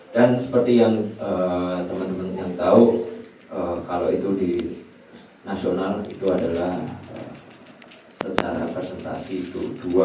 dan seperti yang teman teman yang tahu kalau itu di nasional itu adalah secara presentasi itu dua delapan puluh satu